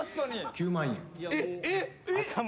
９万円。